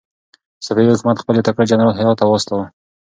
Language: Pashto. صفوي حکومت خپل يو تکړه جنرال هرات ته واستاوه.